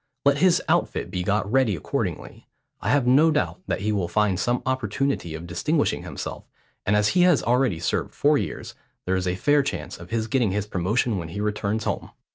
Let his outfit be got ready accordingly. I have no doubt that he will find some opportunity of distinguishing himself; and as he has already served four years, there is a fair chance of his getting his promotion when he returns home.'